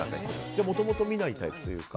じゃあ、もともと見ないタイプというか。